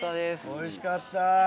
おいしかった。